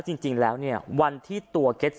พระเจ้าอาวาสกันหน่อยนะครับ